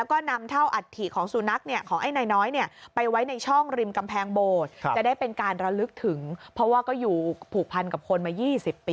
โปรดติดตามตอนต่อไป